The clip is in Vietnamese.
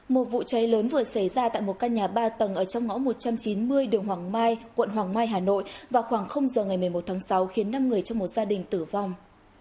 một vụ cháy lớn vừa xảy ra tại một căn nhà ba tầng ở trong ngõ một trăm chín mươi đường hoàng mai quận hoàng mai hà nội vào khoảng giờ ngày một mươi một tháng sáu khiến năm người trong một gia đình tử vong